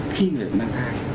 khi người đang thai